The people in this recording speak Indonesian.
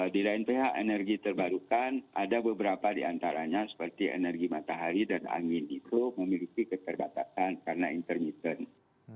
di lain pihak energi terbarukan ada beberapa di antaranya seperti energi matahari dan angin itu memiliki keterbatasan karena intermittent